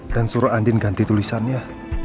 dan suruh andi ganti tulisannya